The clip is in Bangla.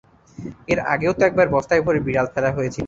এর আগেও তো একবার বস্তায় ভরে বিড়াল ফেলা হয়েছে।